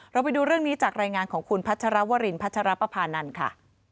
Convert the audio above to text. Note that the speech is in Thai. ไปดูเรื่องนี้จากรายงานของคุณพัชรวรินพัชรปภานันทร์ค่ะ